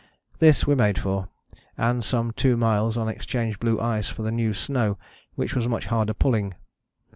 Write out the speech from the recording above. This we made for, and some two miles on exchanged blue ice for the new snow which was much harder pulling.